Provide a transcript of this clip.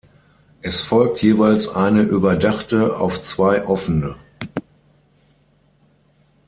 Es folgt jeweils eine überdachte auf zwei offene.